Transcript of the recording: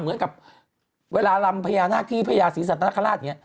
เหมือนกับเวลาลำพญานาคที่พญาศรีสัตนคราชอย่างนี้